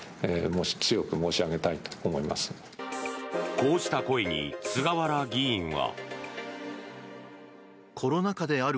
こうした声に菅原議員は。